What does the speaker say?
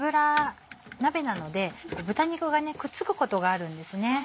鍋なので豚肉がくっつくことがあるんですね。